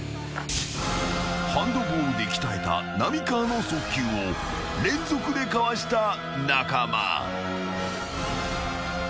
［ハンドボールで鍛えた浪川の速球を連続でかわした中間］